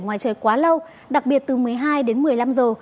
ngoài trời quá lâu đặc biệt từ một mươi hai đến một mươi năm giờ